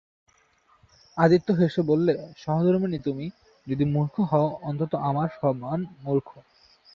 আদিত্য হেসে বললে, সহধর্মিণী তুমি, যদি মুর্খ হও অন্তত আমার সমান মুর্খ।